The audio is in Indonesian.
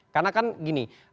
karena kan gini